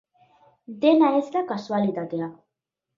Dena ez da kasualitatea.